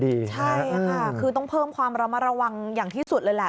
ใช่ค่ะคือต้องเพิ่มความระมัดระวังอย่างที่สุดเลยแหละ